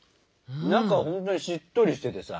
中ほんとにしっとりしててさ。